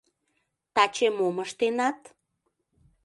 Таче мом ыштенат?